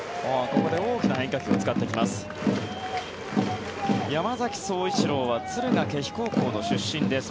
ここで大きな変化球を使ってきます。